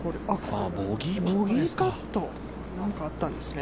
ボギーパット、何かあったんですね